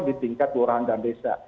di tingkat kelurahan dan desa